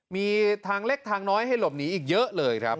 มีทางเล็กทางน้อยให้หลบหนีอีกเยอะเลยครับ